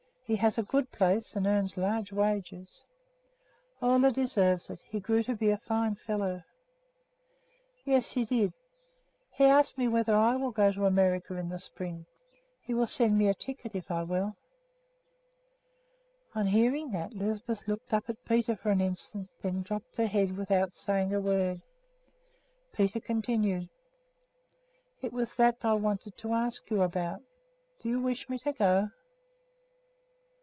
He has a good place and earns large wages." "Ole deserves it. He grew to be a fine fellow." "Yes, he did. He asks me whether I will go to America in the spring. He will send me a ticket, if I will." On hearing that Lisbeth looked up at Peter for an instant, then drooped her head again without saying a word. Peter continued: "It was that I wanted to ask you about. Do you wish me to go?"